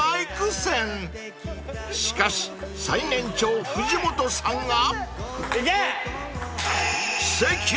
［しかし最年長藤本さんが］